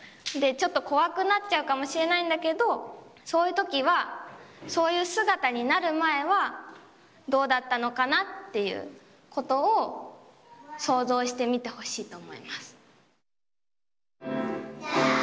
ちょっと怖くなっちゃうかもしれないんだけど、そういうときは、そういう姿になる前は、どうだったのかなっていうことを、想像してみてほしいと思います。